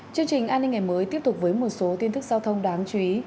chương trình an ninh ngày mới tiếp tục với một số tin tức giao thông đáng chú ý